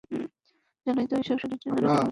জানোই তো, এসময় শরীরে নানা পরিবর্তন আসতে শুরু করে।